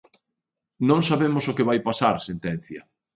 "Non sabemos o que vai pasar", sentencia.